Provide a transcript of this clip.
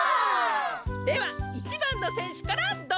では１ばんのせんしゅからどうぞ！